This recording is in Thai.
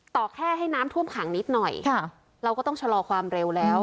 ต่อแค่ให้น้ำท่วมขังนิดหน่อยเราก็ต้องชะลอความเร็วแล้ว